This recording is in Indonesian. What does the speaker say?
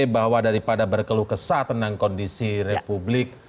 bahwa daripada berkeluh kesah tentang kondisi republik